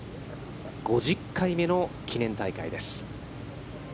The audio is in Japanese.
５０回目の記念大会です。